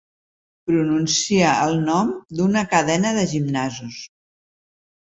Pronunciar el nom d'una cadena de gimnasos.